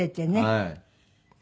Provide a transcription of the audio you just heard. はい。